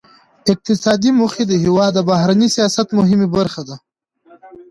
اقتصادي موخې د هیواد د بهرني سیاست مهمه برخه ده